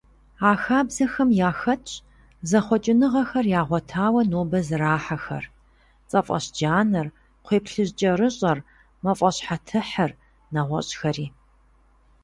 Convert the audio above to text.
А хабзэхэм яхэтщ зэхъуэкӀыныгъэхэр игъуэтауэ нобэ зэрахьэхэр: цӀэфӀэщджанэр, кхъуейплъыжькӀэрыщӀэр, мафӀащхьэтыхьыр, нэгъуэщӀхэри.